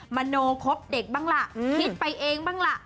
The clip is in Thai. มโนครบเด็กบ้างล่ะคิดไปเองบ้างล่ะ